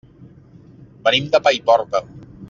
Venim de Paiporta.